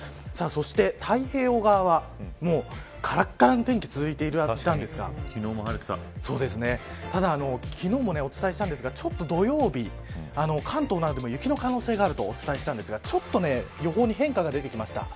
そして太平洋側はからからの天気が続いていたんですがただ昨日もお伝えしましたが土曜日関東内部でも雪の可能性があるとお伝えしましたが予報に変化が出てきました。